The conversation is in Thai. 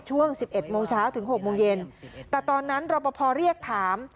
ช่วง๑๑โมงเช้าถึง๖โมงเย็นแต่ตอนนั้นรบพอเรียกถาม